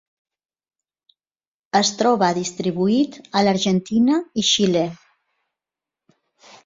Es troba distribuït a l'Argentina i Xile.